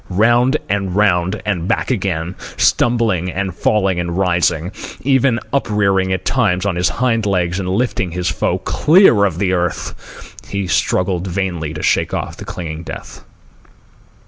Round and round and back again, stumbling and falling and rising, even uprearing at times on his hind legs and lifting his foe clear of the earth, he struggled vainly to shake off the clinging death.